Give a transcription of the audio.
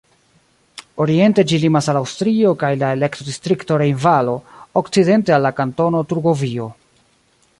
Oriente ĝi limas al Aŭstrio kaj la elektodistrikto Rejnvalo, okcidente al la Kantono Turgovio.